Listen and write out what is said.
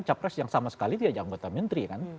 capres yang sama sekali dia yang anggota menteri kan